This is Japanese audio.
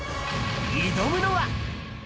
挑むのは。